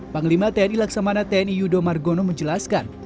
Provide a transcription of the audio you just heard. panglima tni laksamana tni yudo margono menjelaskan